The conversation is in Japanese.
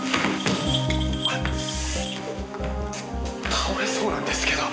倒れそうなんですけど。